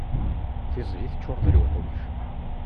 Tiẓgi teččur d luḥuc.